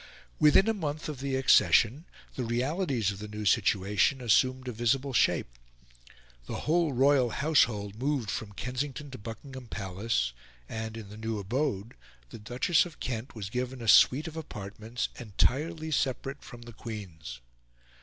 Within a month of the accession, the realities of the new situation assumed a visible shape. The whole royal household moved from Kensington to Buckingham Palace, and, in the new abode, the Duchess of Kent was given a suite of apartments entirely separate from the Queen's.